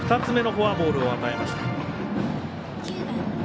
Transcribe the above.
２つ目のフォアボールを与えました。